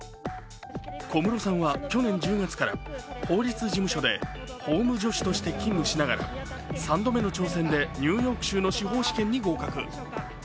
小室さんは去年１０月から法律事務所で法務助手として勤務しながら３度目の挑戦でニューヨーク州の司法試験に合格。